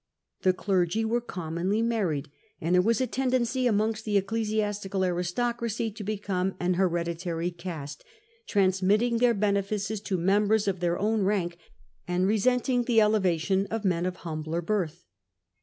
/'Hie clergy were"com&6£[y^ married, and there was a ten dency amongst the ecclesiastical aristocracy to become an hereditary caste, transmitting their benefices to members of their own rank and resenting the elevation of men of humbler birth.